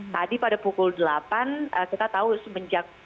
tadi pada pukul delapan kita tahu semenjak